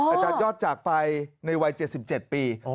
อ๋ออาจารย์ยอดจากไปในวัยเจ็ดสิบเจ็ดปี